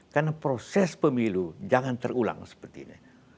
karena proses pemilu jangan terulang seperti ini